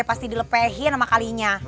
pasti dilepehin sama kalinya